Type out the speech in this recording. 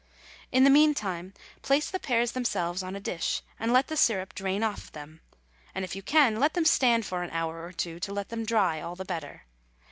In the meantime, place the pears themselves on a dish, and let the syrup drain off them, and if you can let them stand for an hour or two to let them dry all the better.